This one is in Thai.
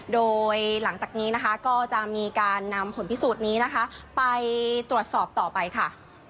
โดยหลังจากนี้นะคะก็จะมีการนำผลพิสูจน์นี้นะคะไปตรวจสอบต่อไปค่ะ